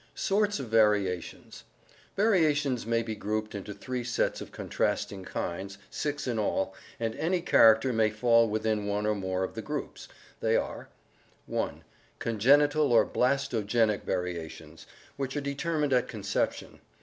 Sorts of Variations Variations may be grouped into three sets of contrasting kinds, six in all, and any character may fall within one or more of the groups. They are: (i) Congenital or blastogenic variations, which are determined at conception.